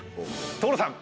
所さん！